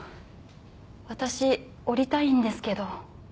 私降りたいんですけど。